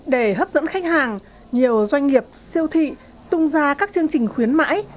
để hấp dẫn khách hàng nhiều doanh nghiệp siêu thị tung ra các chương trình khuyến mãi